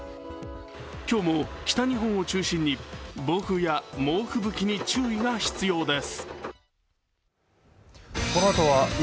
今日も北日本を中心に暴風や猛吹雪に注意が必要です。